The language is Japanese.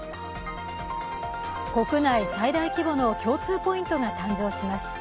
国内最大規模の共通ポイントが誕生します。